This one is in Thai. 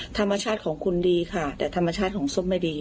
ธรรมชาติของคุณดีค่ะแต่ธรรมชาติของส้มไม่ดี